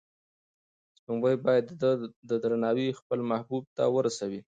سپوږمۍ باید د ده درناوی خپل محبوب ته ورسوي.